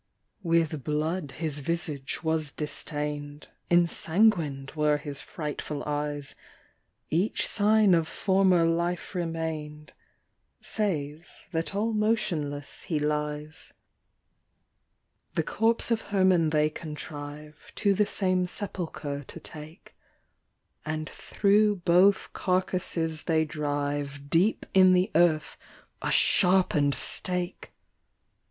With blood his visage was distain'd, Ensanguin'd were his frightful eyes, Each sign of former life remain'd, Save that all motionless he lies. The corpse of Herman they contrive To the same sepulchre to take, And thro' both carcases they drive, Deep in the earth, a sharpen'd stake